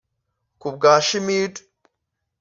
Ku bwa Schmidt